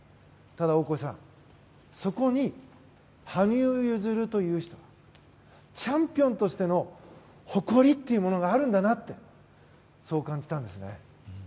ただ、大越さんそこに羽生結弦というチャンピオンとしての誇りというものがあるんだなってそう感じたんですね。